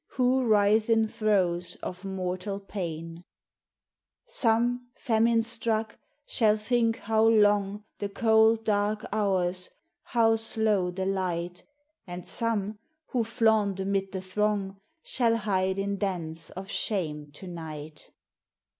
Who writhe in throes of mortal pain ? Some, famine struck, shall think how long The cold, dark hours, how slow the light ; LIFE. 241 And some, who flaunt amid the throng, Shall hide in dens of shame to night.